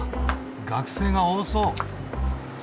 学生が多そう。